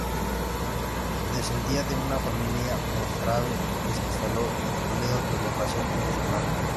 Descendía de una familia mozárabe que se instaló en Toledo tras la invasión musulmana.